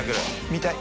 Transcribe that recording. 見たい！